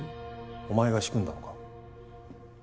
お前が仕組んだのか？